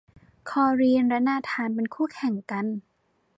คอลินและนาธานเป็นคู่แข่งกัน